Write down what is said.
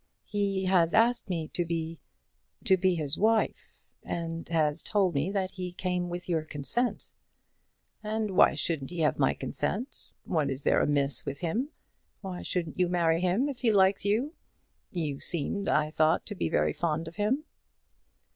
"He has asked me to be, to be his wife; and has told me that he came with your consent." "And why shouldn't he have my consent? What is there amiss with him? Why shouldn't you marry him if he likes you? You seemed, I thought, to be very fond of him."